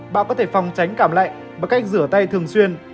bạn có thể phòng tránh cảm lạnh bằng cách rửa tay thường xuyên